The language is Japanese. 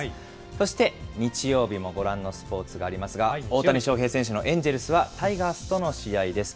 そして、日曜日もご覧のスポーツありますが、大谷翔平選手のエンジェルスは、タイガースとの試合です。